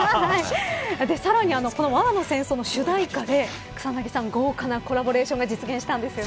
さらに、罠の戦争の主題歌で草なぎさん、豪華なコラボレーションが実現したんですよね。